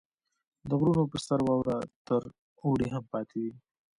• د غرونو په سر واوره تر اوړي هم پاتې وي.